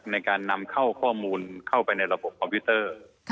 ในการนำเข้าข้อมูลเข้าไปในระบบคอมพิวเตอร์